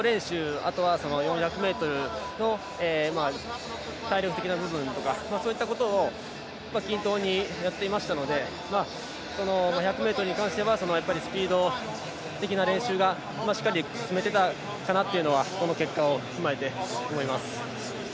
あとは、４００ｍの体力的な部分とかそういったことを均等にやっていましたので１００ｍに関してはスピード的な練習がしっかり練習を詰めていたかなというのはこの結果を踏まえて、思います。